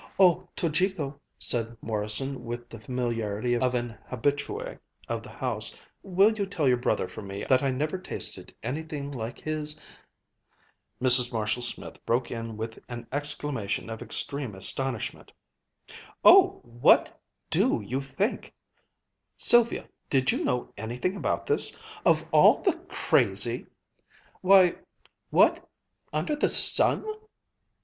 "Oh, Tojiko," said Morrison with the familiarity of an habitué of the house, "will you tell your brother for me that I never tasted anything like his ..." Mrs. Marshall Smith broke in with an exclamation of extreme astonishment. "Oh what do you think ! Sylvia, did you know anything about this? Of all the crazy why, what under the sun